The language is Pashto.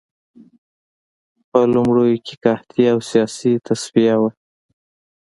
په لومړیو کې قحطي او سیاسي تصفیه وه